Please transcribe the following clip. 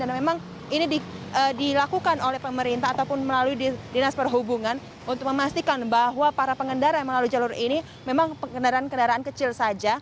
dan memang ini dilakukan oleh pemerintah ataupun melalui dinas perhubungan untuk memastikan bahwa para pengendara yang melalui jalur ini memang kendaraan kendaraan kecil saja